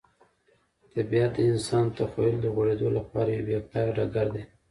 طبیعت د انسان د تخیل د غوړېدو لپاره یو بې پایه ډګر دی.